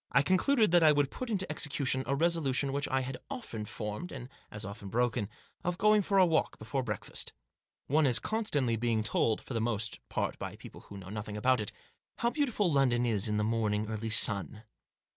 concluded that I would put into execution a resolution which I had often formed, and as often broken, of going for a walk before breakfast. One is constantly being told — for the most part by people who know nothing about it — how beautiful London is in the early morning sun.